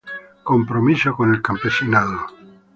Compromiso con el campesinado.